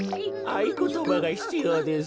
あいことばがひつようです。